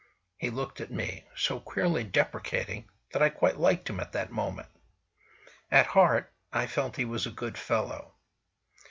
He looked at me, so queerly deprecating, that I quite liked him at that moment. At heart—I felt he was a good fellow.